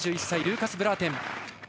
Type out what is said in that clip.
２１歳、ルーカス・ブラーテン。